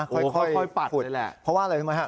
ค่อยปัดแหละเพราะว่าอะไรรู้ไหมฮะ